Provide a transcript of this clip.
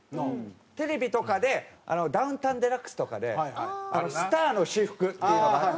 テレビとかで『ダウンタウンＤＸ』とかで「スターの私服！」っていうのがあって。